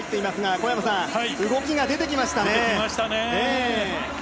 小山さん、動きが出てきましたね。